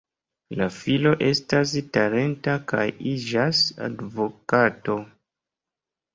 La filo estas talenta kaj iĝas advokato.